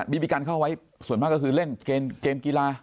บีบีกันเข้าไว้ส่วนมากก็คือเล่นเกมกีฬา